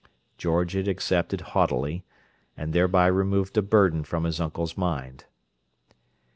George had accepted haughtily, and thereby removed a burden from his uncle's mind.